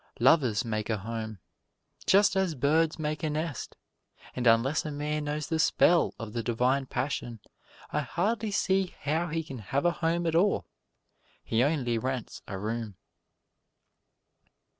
Lovers make a home, just as birds make a nest, and unless a man knows the spell of the divine passion I hardly see how he can have a home at all. He only rents a room.